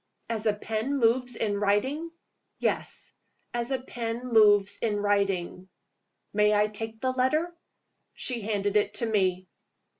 "As a pen moves in writing?" "Yes. As a pen moves in writing." "May I take the letter?" She handed it to me.